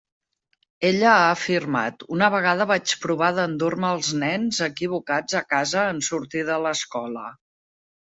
Ella ha afirmat: Una vegada vaig provar d'endur-me els nens equivocats a casa en sortir de l'escola!